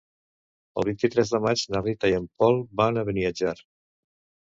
El vint-i-tres de maig na Rita i en Pol van a Beniatjar.